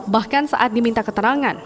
bahkan saat diminta keterangan